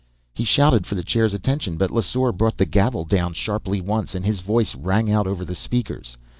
He shouted for the chair's attention, but Lesseur brought the gavel down sharply once, and his voice rang over the speakers.